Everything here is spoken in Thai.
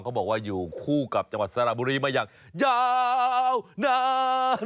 เขาบอกว่าอยู่คู่กับจังหวัดสระบุรีมาอย่างยาวนาน